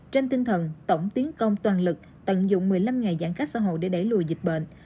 trên tinh thần tổng tiến công toàn lực tận dụng một mươi năm ngày giãn cách xã hội để đẩy lùi dịch bệnh